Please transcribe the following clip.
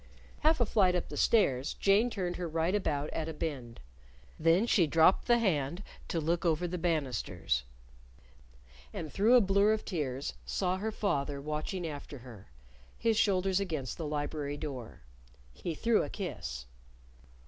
Half a flight up the stairs, Jane turned her right about at a bend. Then she dropped the hand to look over the banisters. And through a blur of tears saw her father watching after her, his shoulders against the library door. He threw a kiss.